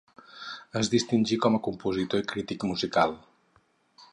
Es distingí com a compositor i crític musical.